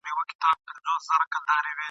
چا ښرا وه راته کړې جهاني عمر دي ډېر سه !.